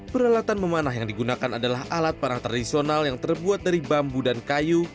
peralatan memanah yang digunakan adalah alat parang tradisional yang terbuat dari bambu dan kayu